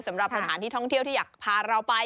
สำหรับสถานที่ท่องเที่ยวที่อยากพาเราไป